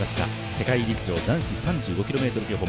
世界陸上男子３５ｋｍ競歩。